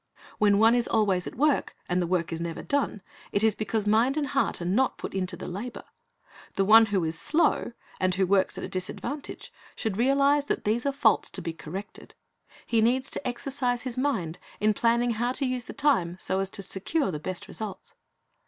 When one is always at work, and the work is never done, it is because mind and heart are not put into the labor. The one who is slow, and who works at a disadvantage, should realize that these are faults to be corrected. He needs to exercise his mind in planning how to use the time so as to secure the best results.